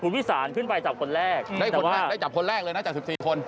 คุณวิสานขึ้นไปจับคนแรกได้คนแรกได้จับคนแรกเลยนะจาก๑๔คน